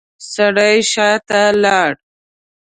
سړی شاته لاړ.